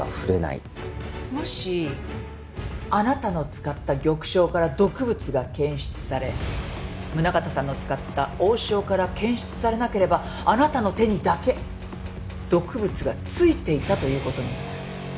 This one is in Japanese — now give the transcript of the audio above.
もしあなたの使った玉将から毒物が検出され宗形さんの使った王将から検出されなければあなたの手にだけ毒物が付いていたという事になる。